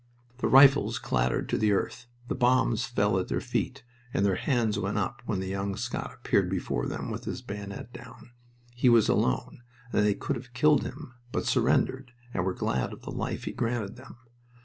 The rifles clattered to the earth, the bombs fell at their feet, and their hands went up when the young Scot appeared before them with his bayonet down. He was alone, and they could have killed him, but surrendered, and were glad of the life he granted them.